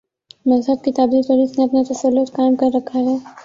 مذہب کی تعبیر پر اس نے اپنا تسلط قائم کر رکھا ہے۔